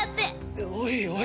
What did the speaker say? おいおい。